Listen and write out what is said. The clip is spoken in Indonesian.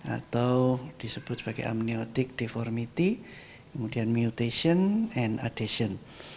atau disebut sebagai amniotic deformity kemudian mutation and adhesion